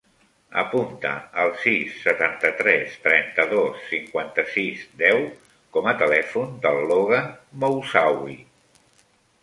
Apunta el sis, setanta-tres, trenta-dos, cinquanta-sis, deu com a telèfon del Logan Moussaoui.